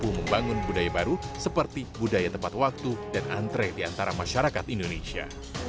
dan juga membangun budaya baru seperti budaya tempat waktu dan antre di antara masyarakat indonesia